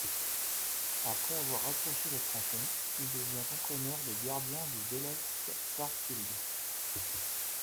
Après avoir raccroché les crampons, il devient entraîneur des gardiens du Vélez Sársfield.